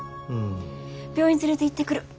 病院連れていってくる。